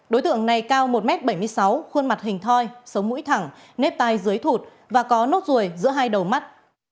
đối tượng này cao một m bảy mươi sáu khuôn mặt hình thoi sống mũi thẳng nếp tai dưới thụt và có nốt ruồi giữa hai đầu mắt